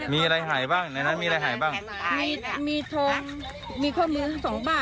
กระชากแล้วนี่พระร่วง